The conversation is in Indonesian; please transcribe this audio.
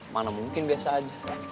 mana mungkin biasa aja